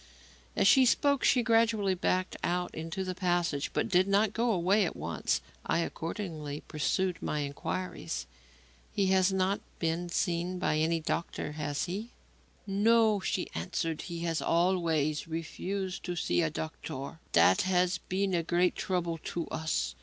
As she spoke, she gradually backed out into the passage but did not go away at once. I accordingly pursued my inquiries. "He has not been seen by any doctor, has he?" "No," she answered, "he has always refused to see a doctor. That has been a great trouble to us.